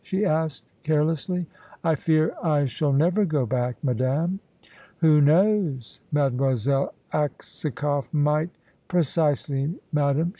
she asked carelessly. "I fear I shall never go back, madame." "Who knows? Mademoiselle Aksakoff might " "Precisely, madame.